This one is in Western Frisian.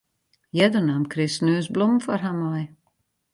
Earder naam Chris sneons blommen foar har mei.